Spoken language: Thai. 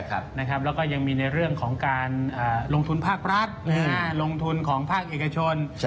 แล้วก็ยังมีในเรื่องของการลงทุนภาครัฐลงทุนของภาคเอกชน